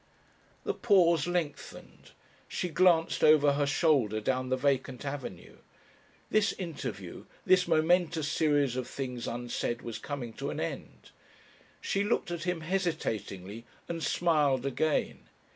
The pause lengthened. She glanced over her shoulder down the vacant avenue. This interview this momentous series of things unsaid was coming to an end! She looked at him hesitatingly and smiled again.